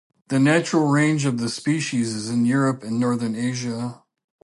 The natural range of the species is in Europe and in northern Asia.